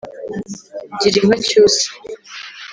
Gira inka Cyusa